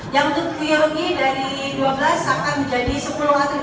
yang untuk kinergi dari dua belas akan menjadi sepuluh atlet pak